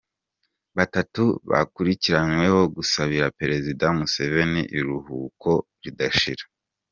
Batatu bakurikiranyweho gusabira Perezida Museveni ‘Iruhuko ridashira’.